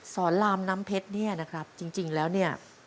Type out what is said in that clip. สอนรามน้ำเพชรเนี่ยนะครับจริงแล้วเนี่ย